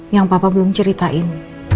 yang papa belum ceritain